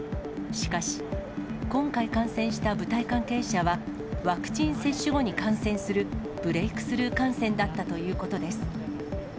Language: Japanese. しかし、今回感染した舞台関係者は、ワクチン接種後に感染するブレイクスルー感染だったということです。